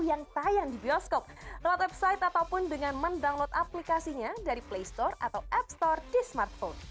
yang tayang di biopark